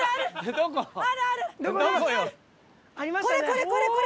これこれこれこれ！